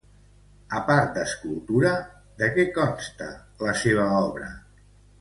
A part d'escultura, de què consta la seva obra?